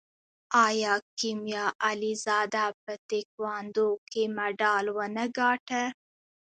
آیا کیمیا علیزاده په تکواندو کې مډال ونه ګټه؟